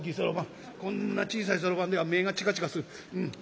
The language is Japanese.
こんな小さいそろばんでは目がチカチカする。